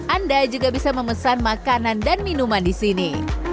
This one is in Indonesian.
anda juga bisa memesan makanan dan minuman di sini